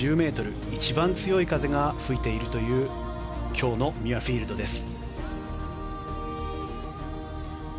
一番強い風が吹いているという今日のミュアフィールドです。